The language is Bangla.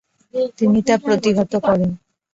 তিনি তা প্রতিহত করেন।